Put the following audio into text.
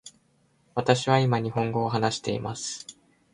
私は今日本語を話しています。